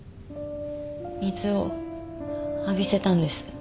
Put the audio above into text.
水を浴びせたんです。